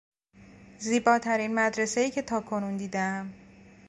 زیباترین مدرسهای که تاکنون دیدهام